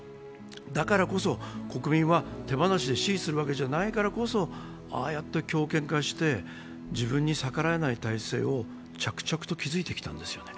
だからこそ国民は手放しで支持するわけじゃないけれども、ああやって強権化して、自分に逆らえない体制を着々と築いてきたんですよね。